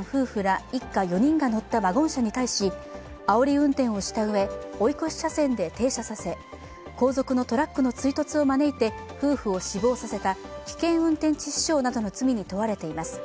夫婦ら一家４人が乗ったワゴン車に対し、あおり運転をしたうえ、追い越し車線で停車させ後続のトラックの追突を招いて夫婦を死亡させた危険運転致死傷などの罪に問われています。